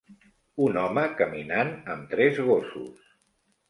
Un home caminant amb tres gossos